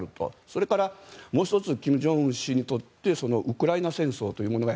それからもう１つ金正恩氏にとってウクライナ戦争というものが